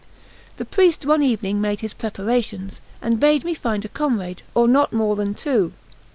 The priest one evening made his preparations, and bade me find a comrade, or not more than two.